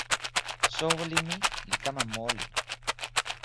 soweli mi li kama moli.